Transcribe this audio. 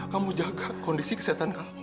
kamu jaga kondisi kesehatan kamu